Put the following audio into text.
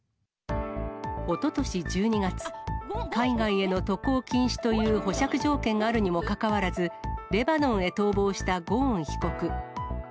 おととし１２月、海外への渡航禁止という保釈条件があるにもかかわらず、レバノンへ逃亡したゴーン被告。